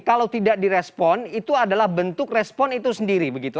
kalau tidak direspon itu adalah bentuk respon itu sendiri begitu